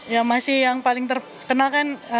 ya masih yang paling terkenal kan